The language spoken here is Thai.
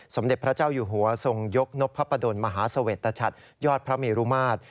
สมเด็จพระเจ้าอยู่หัวทรงยกนพพระประดนมหาเสวตชัดยอดพระเมรุมาตร